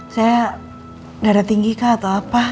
saya darah tinggi kah atau apa